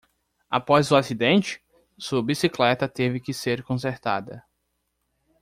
Após o acidente? sua bicicleta teve que ser consertada.